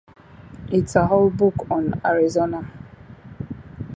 It's a whole book on Arizona.